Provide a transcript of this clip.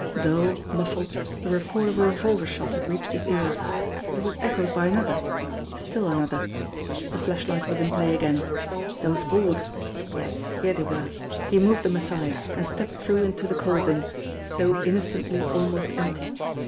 Dull, muffled, the report of a revolver shot had reached his ears. It was echoed by another still another. The flashlight was in play again. Those boards! Yes, here they were! He moved them aside and stepped through into the coal bin, so innocently almost empty.